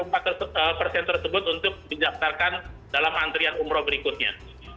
untuk dijaftarkan dalam antrian umroh berikutnya